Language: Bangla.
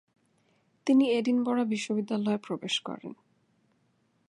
তিনি এডিনবরা বিশ্ববিদ্যালয় প্রবেশ করেন ।